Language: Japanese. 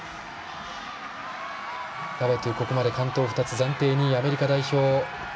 ラバトゥ、ここまで完登２つ暫定２位、アメリカ代表。